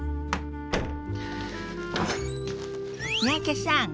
三宅さん